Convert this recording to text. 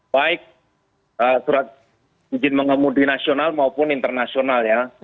baik surat izin mengemudi nasional maupun internasional ya